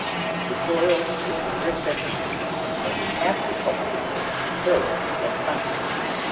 The soil should be rich and deep and the after cultivation thorough and constant.